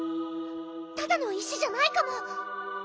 ただの石じゃないかも！